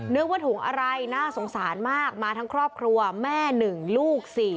นึกว่าถุงอะไรน่าสงสารมากมาทั้งครอบครัวแม่๑ลูก๔